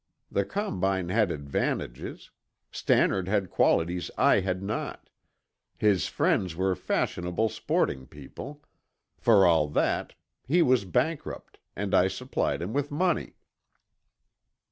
The combine had advantages. Stannard had qualities I had not; his friends were fashionable sporting people. For all that, he was bankrupt and I supplied him with money."